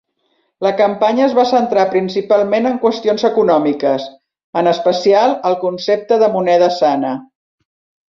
La campanya es va centrar principalment en qüestions econòmiques, en especial el concepte de moneda sana.